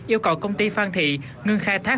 yêu cầu công ty phan thị ngưng khai thác